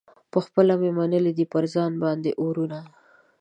پخپله مي منلي دي پر ځان باندي اورونه